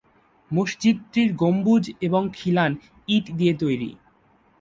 মসজিদটির গম্বুজ এবং খিলান ইট দিয়ে তৈরি।